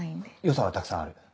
良さはたくさんある。